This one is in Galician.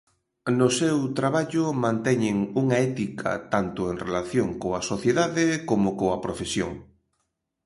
No seu traballo manteñen unha ética tanto en relación coa sociedade como coa profesión.